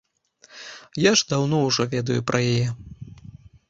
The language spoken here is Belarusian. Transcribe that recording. Я ж даўно ўжо ведаю пра яе.